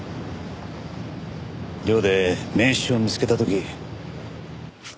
寮で名刺を見つけた時。